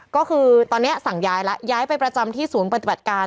ก็คือตอนนี้สั่งย้ายแล้วย้ายไปประจำที่ศูนย์ปฏิบัติการ